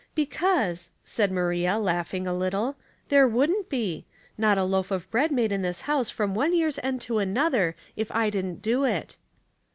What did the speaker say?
*' Because," said Maria, laughing a little, *' there wouldn't be — not a loaf of bread made in this house from one year's end to another if I didn't do it."